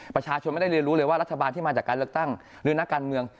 ประชาชนไม่ได้เรียนรู้เลยว่ารัฐบาลที่มาจากการเลือกตั้งหรือนักการเมือง